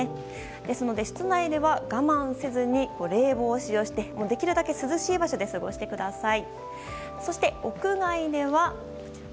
ですので、室内では我慢せずに冷房を使用してできるだけ涼しい場所で過ごしてください。